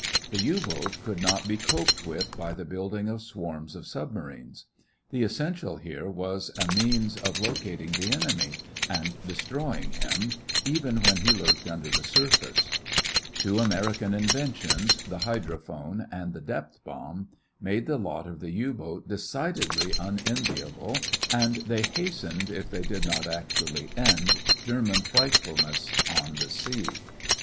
The U boat could not be coped with by the building of swarms of submarines. The essential here was a means of locating the enemy and destroying him even while he lurked under the surface. Two American inventions, the hydrophone and the depth bomb, made the lot of the U boat decidedly unenviable and they hastened if they did not actually end German frightfulness on the sea.